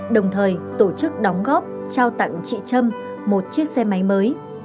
đồng thời tổ chức đóng góp trao tặng chị trâm một chiếc xe máy mới